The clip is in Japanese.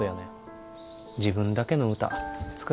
自分だけの歌作らんと。